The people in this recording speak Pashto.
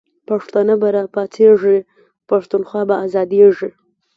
پښتانه به را پاڅیږی، پښتونخوا به آزادیږی